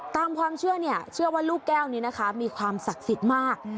ตามความเชื่อเนี่ยเชื่อว่าลูกแก้วนี้นะคะมีความศักดิ์สิทธิ์มาก